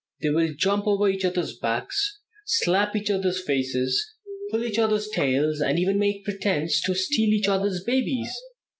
They will jump over each other's backs, slap each other's faces, pull each other's tails, and even make pretense to steal each other's babies.